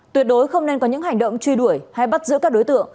tuyệt đối không nên có những hành động truy đuổi hay bắt giữ các đối tượng